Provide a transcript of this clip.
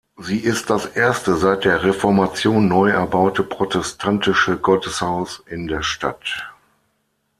Sie ist das erste seit der Reformation neu erbaute protestantische Gotteshaus in der Stadt.